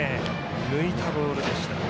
抜いたボールでした。